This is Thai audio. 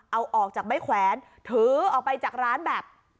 เอาออกจากใบแขวนถือออกไปจากร้านแบบ